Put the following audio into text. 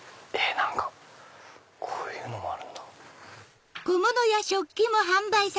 こういうのもあるんだ。